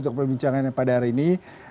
untuk perbincangannya pada hari ini